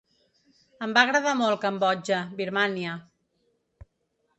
Em va agradar molt Cambodja, Birmània.